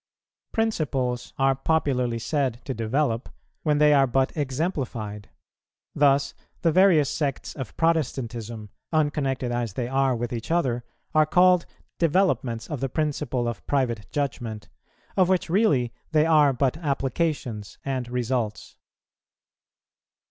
Principles are popularly said to develope when they are but exemplified; thus the various sects of Protestantism, unconnected as they are with each other, are called developments of the principle of Private Judgment, of which really they are but applications and results.